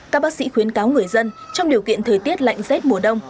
các bác sĩ khuyến cáo người dân trong điều kiện thời tiết lạnh rét mùa đông